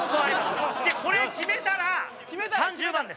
これ決めたら３０万です。